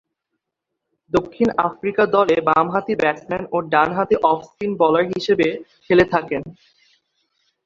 দক্ষিণ আফ্রিকা দলে বামহাতি ব্যাটসম্যান ও ডানহাতি অফ স্পিন বোলার হিসেবে খেলে থাকেন।